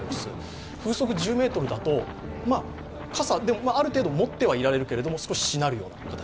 風速１０メートルだと、傘、ある程度持ってはいられるけど少し、しなるような形。